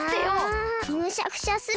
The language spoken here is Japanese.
あむしゃくしゃする！